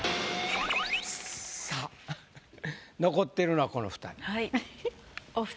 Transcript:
さぁ残ってるのはこの２人。